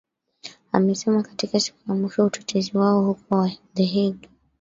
amesema katika siku ya mwisho utetezi wao huko the hague